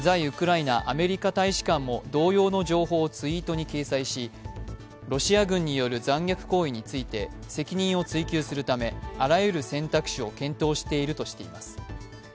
ウクライナアメリカ大使館も同様の情報をツイートし、ロシア軍による残虐行為について責任を追及するためあらゆる選択肢を検討しているとしています。